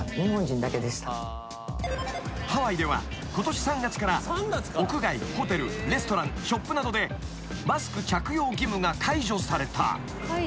［ハワイではことし３月から屋外ホテルレストランショップなどでマスク着用義務が解除された］